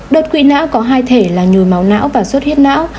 đợt quỵ não có hai thể là nhồi máu não và suốt huyết não